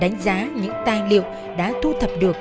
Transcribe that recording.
đánh giá những tài liệu đã thu thập được